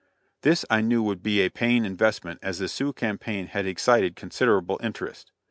This I knew would be a paying investment as the Sioux campaign had excited considerable interest.